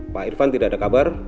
pak irfan tidak ada kabar